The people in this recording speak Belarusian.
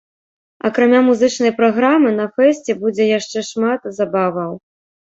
Акрамя музычнай праграмы на фэсце будзе яшчэ шмат забаваў.